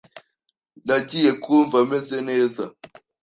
Ntangiye kumva meze neza.